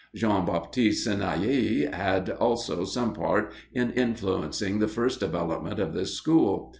Jean Baptiste Senaillé had also some part in influencing the first development of this school.